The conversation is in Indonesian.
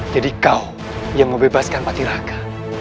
jadi kau yang membebaskan pak tiraga